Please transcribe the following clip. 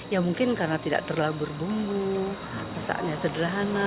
ya mungkin karena tidak terlalu berbumbu rasanya sederhana